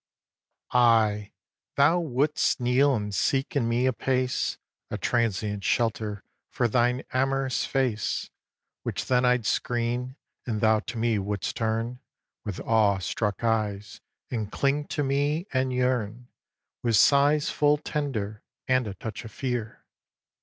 ix. Aye! thou wouldst kneel and seek in me apace A transient shelter for thine amorous face Which then I'd screen; and thou to me wouldst turn With awe struck eyes, and cling to me and yearn, With sighs full tender and a touch of fear.